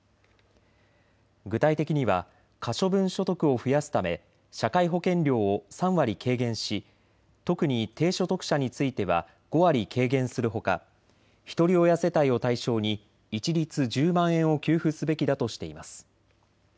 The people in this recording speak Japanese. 具体的には可処分所得を増やすため社会保険料を３割軽減し特に低所得者については５割軽減するほかひとり親世帯を対象に一律１０万円を給付すべきだとしています。